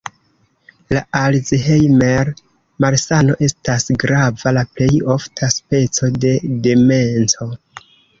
La Alzheimer-malsano estas grava, la plej ofta speco de demenco.